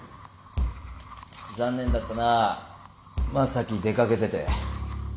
残念だったな正樹出掛けてて。